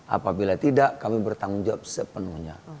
apabila tidak kami bertanggung jawab sepenuhnya